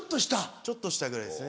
ちょっと下ぐらいですね。